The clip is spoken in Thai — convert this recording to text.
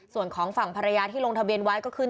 ส่วนของฝั่งภรรยาที่ลงทะเบียนไว้ก็ขึ้น